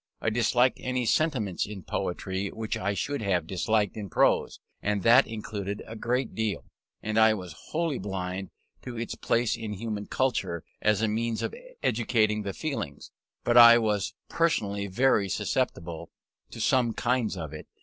I disliked any sentiments in poetry which I should have disliked in prose; and that included a great deal. And I was wholly blind to its place in human culture, as a means of educating the feelings. But I was always personally very susceptible to some kinds of it.